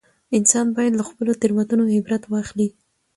انسان باید له خپلو تېروتنو عبرت واخلي